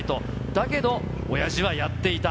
だけど、おやじはやっていた。